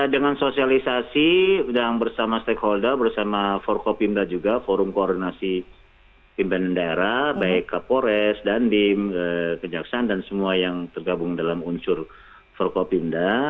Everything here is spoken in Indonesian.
dengan sosialisasi dan bersama stakeholder bersama forkopimda juga forum koordinasi pimpinan daerah baik kapolres dandim kejaksaan dan semua yang tergabung dalam unsur forkopimda